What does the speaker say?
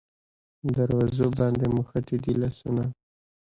دروازو باندې موښتي دی لاسونه